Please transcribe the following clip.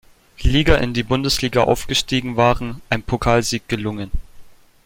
Liga in die Bundesliga aufgestiegen waren, ein Pokalsieg gelungen.